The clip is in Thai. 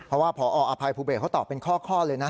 เพราะว่าพออภัยภูเบศเขาตอบเป็นข้อเลยนะ